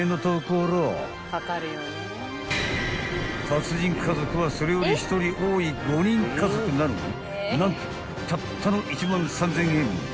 達人家族はそれより１人多い５人家族なのに何とたったの１万３，０００円］